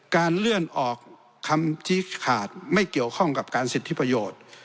การเลื่อนออกคำชี้ขาดไม่เกี่ยวข้องกับการสิทธิประโยชน์